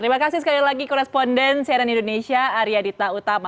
terima kasih sekali lagi koresponden cnn indonesia arya dita utama